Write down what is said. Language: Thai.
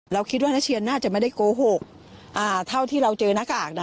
คิดว่านักเชียนน่าจะไม่ได้โกหกอ่าเท่าที่เราเจอหน้ากากนะ